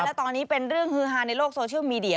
และตอนนี้เป็นเรื่องฮือฮาในโลกโซเชียลมีเดีย